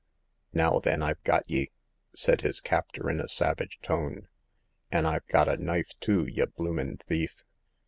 Now, then, I've got ye !" said his captor in a savage tone— an' IVe got a knife too, y' bloom in' thief